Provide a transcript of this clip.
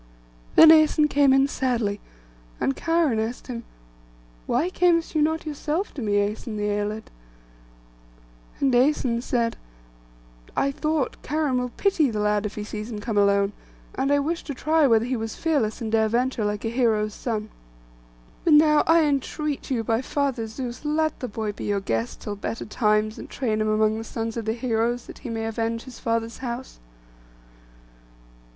Then Æson came in sadly, and Cheiron asked him, 'Why camest you not yourself to me, Æson the Æolid?' And Æson said— 'I thought, Cheiron will pity the lad if he sees him come alone; and I wished to try whether he was fearless, and dare venture like a hero's son. But now I entreat you by Father Zeus, let the boy be your guest till better times, and train him among the sons of the heroes, that he may avenge his father's house.